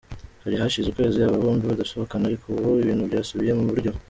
Hari hashize ukwezi aba bombi badasohokana ariko ubu ibintu byasubiye mu buryo.